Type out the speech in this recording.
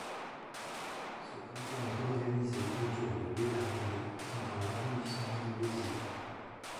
Ce canton est organisé autour de Bédarieux dans l'arrondissement de Béziers.